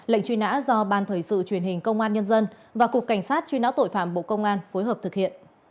lệnh chuyên án do ban thời sự truyền hình công an nhân dân và cục cảnh sát chuyên án tội phạm bộ công an phối hợp thực hiện